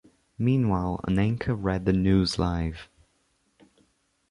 Meanwhile, an anchor read the news live.